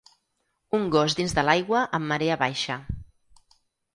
Un gos dins de l'aigua amb marea baixa